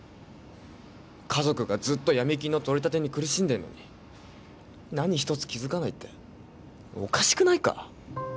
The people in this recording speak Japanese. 家族がずっと闇金の取り立てに苦しんでんのに何一つ気付かないっておかしくないか？